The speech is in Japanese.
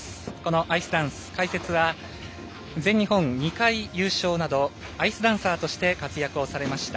アイスダンス解説は全日本２回優勝などアイスダンサーとして活躍をされました